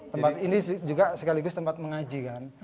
tempat ini juga sekaligus tempat mengaji kan